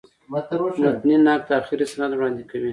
متني نقد آخري سند وړاندي کوي.